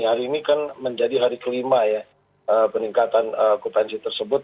hari ini kan menjadi hari ke lima ya peningkatan okupansi tersebut